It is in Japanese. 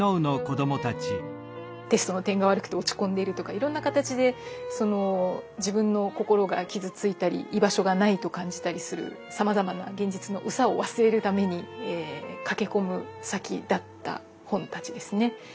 テストの点が悪くて落ち込んでるとかいろんな形で自分の心が傷ついたり居場所がないと感じたりするさまざまなだった本たちですね。